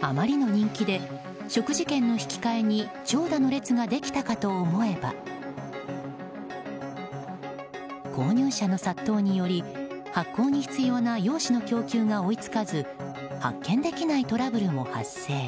あまりの人気で食事券の引き替えに長蛇の列ができたかと思えば購入者の殺到により発行に必要な用紙の供給が追いつかず発券できないトラブルも発生。